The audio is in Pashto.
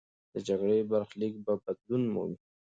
د جګړې برخلیک به بدلون مومي.